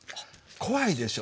怖いでしょ。